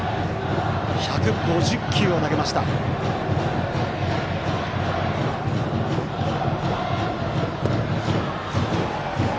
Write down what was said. １５０球を投げました、上田。